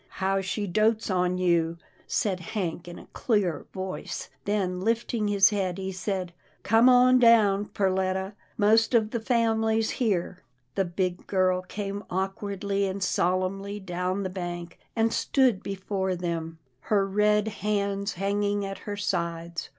" How she dotes on you," said Hank in a clear voice, then, lifting his head, he said, " Come on down, Perletta — most of the family's here." The big girl came awkwardly and solemnly down the bank, and stood before them, her red hands hanging at her sides.